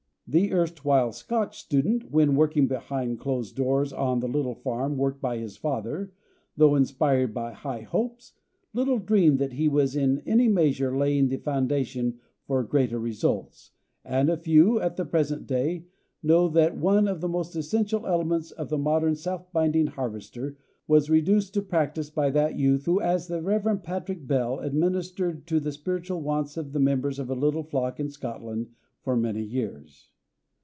[Illustration: BELL REAPER.] The erstwhile Scotch student, when working behind closed doors on the little farm worked by his father, though inspired by high hopes, little dreamed that he was in any measure laying the foundation for greater results, and few, at the present day, know that one of the most essential elements of the modern self binding harvester was reduced to practice by that youth who as the Rev. Patrick Bell administered to the spiritual wants of the members of a little flock in Scotland for many years.